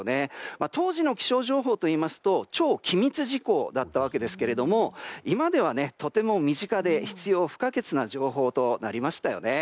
当時の気象情報といいますと超機密事項だったんですが今では、とても身近で必要不可欠な情報となりましたよね。